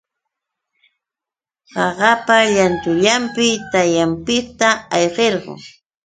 Qaqapa llantullanpi tamyapiqta ayqirquu.